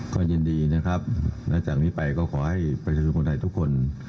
ก็ยินดีนะครับและจากนี้ไปก็ขอให้ประชาชนคนไทยทุกคน